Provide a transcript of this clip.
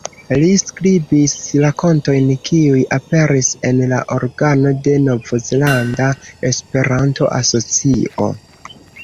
Li skribis rakontojn kiuj aperis en la organo de Novzelanda Esperanto-Asocio.